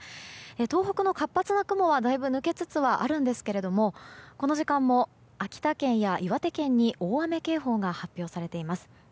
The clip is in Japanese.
東北の活発な雲はだいぶ抜けつつありますがこの時間も秋田県や岩手県に大雨警報が発表されています。